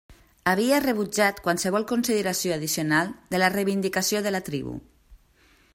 Havia rebutjat qualsevol consideració addicional de la reivindicació de la tribu.